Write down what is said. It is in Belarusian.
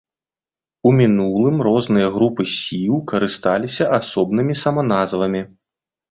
У мінулым розныя групы сіў карысталіся асобнымі саманазвамі.